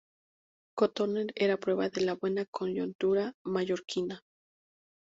Cotoner era prueba de la buena coyuntura mallorquina.